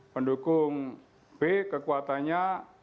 pendukung b kekuatannya lima puluh